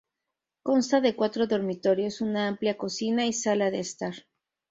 Consta de cuatro dormitorios, una amplia cocina y sala de estar.